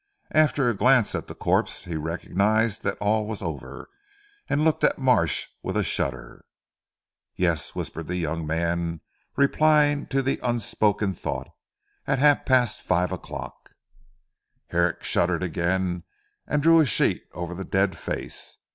After a glance at the corpse, he recognised that all was over, and looked at Marsh with a shudder. "Yes!" whispered the young man replying to the unspoken thought, "at half past five o'clock!" Herrick shuddered again and drew the sheet over the dead face.